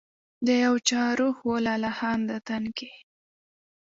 د یو چا روح و لا لهانده تن کي